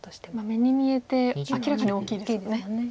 目に見えて明らかに大きいですもんね。